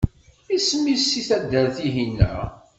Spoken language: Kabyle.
Isem-is i taddart-ihina?